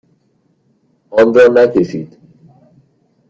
آن را نکشید.